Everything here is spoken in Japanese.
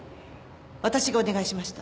私がお願いしました。